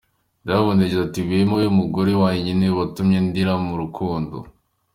Diamond yagize ati:”Wema ni we mugore wenyine watumye ndira mu rukundo.